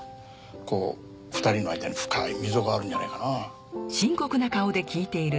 こう２人の間に深い溝があるんじゃないかな？